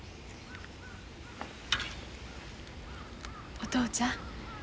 お父ちゃん。